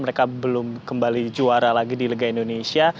mereka belum kembali juara lagi di liga indonesia